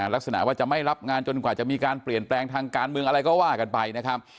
ลักษณะว่าจะไม่รับงานจนกว่าจะมีการเปลี่ยนแปลงทางการเมืองอะไรก็ว่ากันไปนะครับ